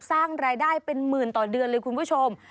สร้างรายได้เป็นหมื่นต่อเดือนเลยคุณผู้ชม